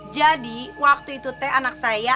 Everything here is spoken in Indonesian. jadi waktu itu teh anak saya